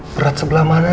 berat sebelah mananya